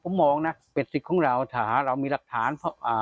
ผมมองนะเป็นสิทธิ์ของเราถ้าเรามีหลักฐานอ่า